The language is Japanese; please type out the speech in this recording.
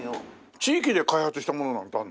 地域で開発したものなんてあるの？